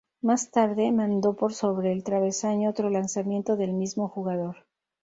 Más tarde, mandó por sobre el travesaño otro lanzamiento del mismo jugador.